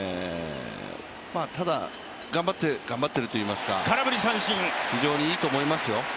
ただ、頑張ってるといいますか非常にいいと思いますよ。